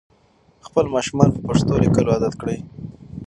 خپل ماشومان په پښتو لیکلو عادت کړئ.